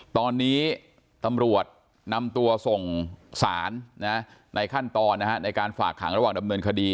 ตอนนี้ตำรวจนำตัวส่งสารในขั้นตอนในการฝากขังระหว่างดำเนินคดี